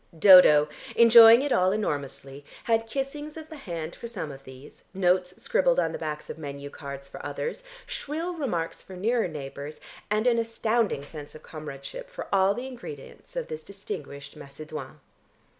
Dodo, enjoying it all enormously, had kissings of the hand for some of these, notes scribbled on the backs of menu cards for others, shrill remarks for nearer neighbours and an astounding sense of comradeship for all the ingredients of this distinguished macédoine.